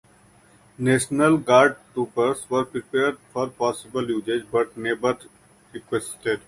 National Guard troopers were prepared for possible usage but never requested.